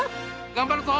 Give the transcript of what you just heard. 頑張るぞ！